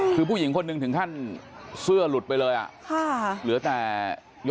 คือผู้หญิงคนหนึ่งถึงท่านเสื้อหลุดไปเลย